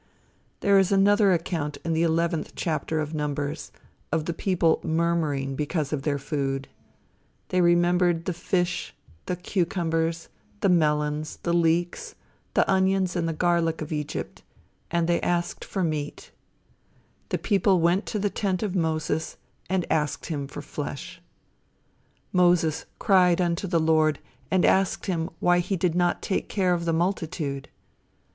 There is another account in the eleventh chapter of Numbers, of the people murmuring because of their food. They remembered the fish, the cucumbers, the melons, the leeks, the onions and the garlic of Egypt, and they asked for meat The people went to the tent of Moses and asked him for flesh. Moses cried unto the Lord and asked him why he did not take care of the multitude.